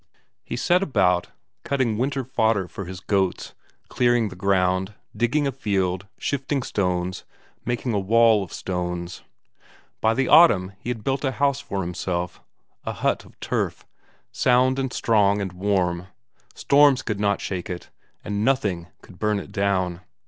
He set about cutting winter fodder for his goats, clearing the ground, digging a field, shifting stones, making a wall of stones. By the autumn he had built a house for himself, a hut of turf, sound and strong and warm; storms could not shake it, and nothing could burn it down.